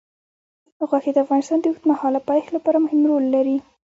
غوښې د افغانستان د اوږدمهاله پایښت لپاره مهم رول لري.